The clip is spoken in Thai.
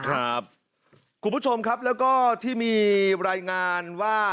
คุณผู้ชมครับแล้วก็ที่มีรายงานว่า